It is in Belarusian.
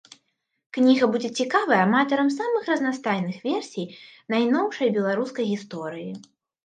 Кніга будзе цікавай аматарам самых разнастайных версій найноўшай беларускай гісторыі.